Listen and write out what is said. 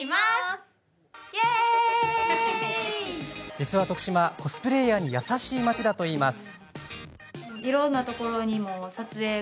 実は徳島は、コスプレイヤーに優しい町なんだといいます。